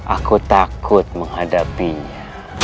aku takut menghadapinya